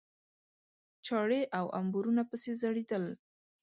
چاړې او امبورونه پسې ځړېدل.